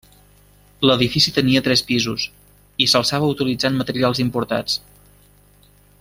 L'edifici tenia tres pisos, i s'alçava utilitzant materials importats.